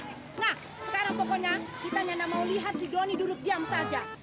nah sekarang pokoknya kita hanya mau lihat sih doni duduk jam saja